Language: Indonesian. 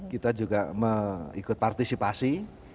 kita juga ikut partisipasi